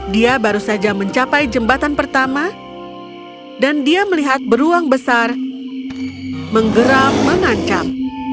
dia baru saja mencapai jembatan pertama dan dia melihat beruang besar menggeram mengancam